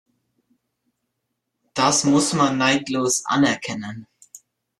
Das muss man neidlos anerkennen.